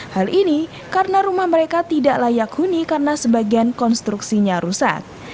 hal ini karena rumah mereka tidak layak huni karena sebagian konstruksinya rusak